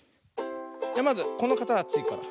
じゃまずこのかたちから。